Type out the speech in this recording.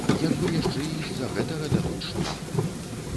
Як бы яшчэ і з-за гэтага дадуць штраф.